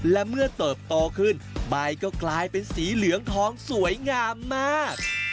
และเมื่อเติบโตขึ้นใบก็กลายเป็นสีเหลืองทองสวยงามมาก